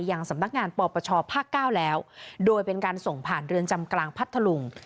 ยังสำนักงานปปชภาคเก้าแล้วโดยเป็นการส่งผ่านเรือนจำกลางพัทธลุง